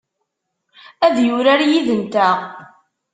Ad yurar yid-nteɣ?